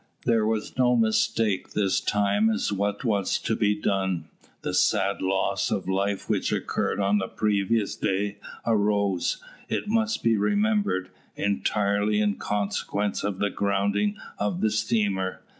There was no mistake this time as to what was to be done. The sad loss of life which occurred on the previous day arose, it must be remembered, entirely in consequence of the grounding of the steamer.